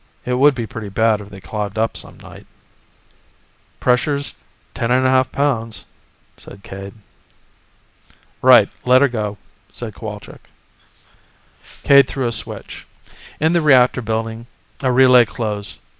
"It would be pretty bad if they clogged up some night." "Pressure's ten and a half pounds," said Cade. "Right, let her go," said Cowalczk. Cade threw a switch. In the reactor building, a relay closed.